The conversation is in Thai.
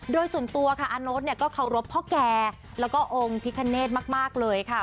โดยส่วนตัวอานโน้ตเข้ารพพ่อแก่และองค์พิฆเนธมากเลยค่ะ